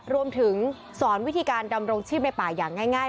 รวมถึงสอนวิธีการดำรงชีพในป่าอย่างง่าย